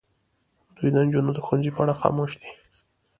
دوی د نجونو د ښوونځي په اړه خاموش دي.